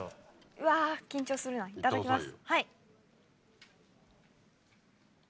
うわ緊張するないただきます。